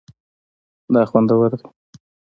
دا خوندور دی